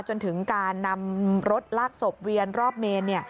จนถึงการนำรถลากศพเวียนรอบเมน